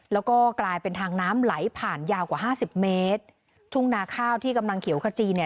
แล้วก็กลายเป็นทางน้ำไหลผ่านยาวกว่าห้าสิบเมตรทุ่งนาข้าวที่กำลังเขียวขจีเนี่ย